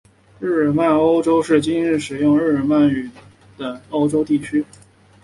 日耳曼欧洲是今日使用着日耳曼语言的欧洲地区。